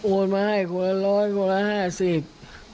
มาให้คนละร้อยคนละห้าสิบ